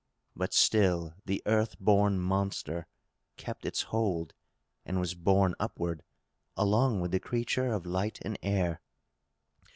But still the earth born monster kept its hold, and was borne upward, along with the creature of light and air.